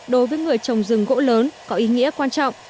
đối với người trồng rừng gỗ lớn có ý nghĩa quan trọng